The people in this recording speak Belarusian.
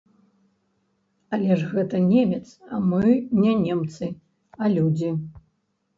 Але ж гэта немец, а мы не немцы, а людзі.